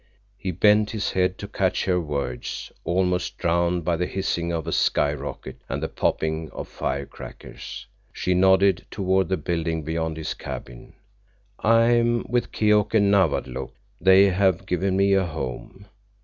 He bent his head to catch her words, almost drowned by the hissing of a sky rocket and the popping of firecrackers. She nodded toward the buildings beyond his cabin. "I am with Keok and Nawadlook. They have given me a home."